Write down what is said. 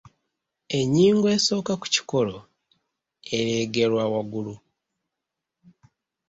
Ennyingo esooka ku kikolo ereegerwa waggulu.